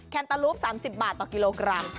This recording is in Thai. แตลูป๓๐บาทต่อกิโลกรัม